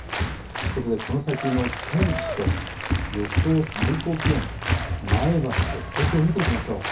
この先の天気と予想最高気温、前橋と東京を見ていきましょう。